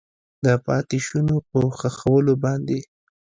د پاتې شونو په ښخولو باندې